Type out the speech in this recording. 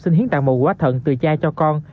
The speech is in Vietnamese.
xin hiến tạm mùa quá thận từ cha cho con